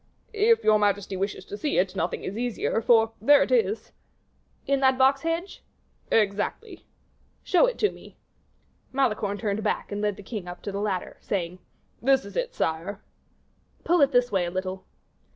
"If your majesty wishes to see it, nothing is easier, for there it is." "In that box hedge?" "Exactly." "Show it to me." Malicorne turned back, and led the king up to the ladder, saying, "This is it, sire." "Pull it this way a little."